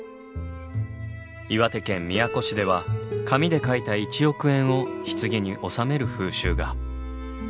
岩手県宮古市では紙で書いた一億円を棺に納める風習が。